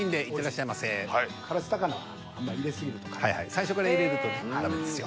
最初から入れるとねダメですよ。